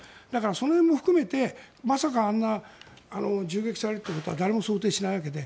その辺も含めて、まさかあんな銃撃されるなんてことは誰も想定しないわけで。